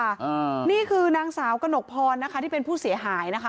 อ่านี่คือนางสาวกระหนกพรนะคะที่เป็นผู้เสียหายนะคะ